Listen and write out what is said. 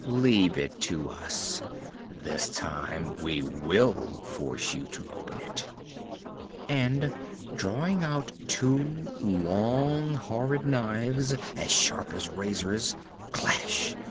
Leave it to us: this time we will force you to open it!" And, drawing out two long, horrid knives as sharp as razors, clash!